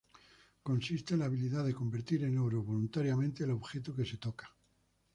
Consiste en la habilidad de convertir en oro voluntariamente el objeto que se toca.